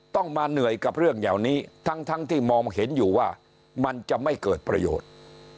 ต้องมาเหนื่อยกับเรื่องเหล่านี้ทั้งที่มองเห็นอยู่ว่ามันจะไม่เกิดประโยชน์